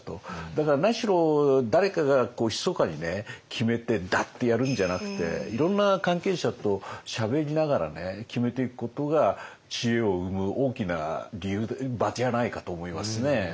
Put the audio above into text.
だから何しろ誰かがひそかに決めてダッてやるんじゃなくていろんな関係者としゃべりながら決めていくことが知恵を生む大きな理由場じゃないかと思いますね。